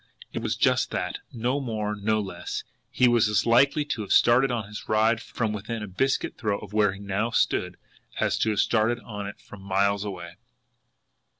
It was just that, no more, no less he was as likely to have started on his ride from within a biscuit throw of where he now stood, as to have started on it from miles away!